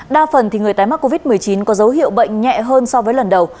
đa phần người tái mắc covid một mươi chín có dấu hiệu bệnh nhẹ hơn so với lần đầu